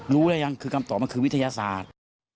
รู้ได้ยังคือกรรมต่อมาคือวิทยาศาสตร์